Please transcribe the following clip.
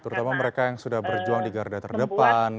terutama mereka yang sudah berjuang di garda terdepan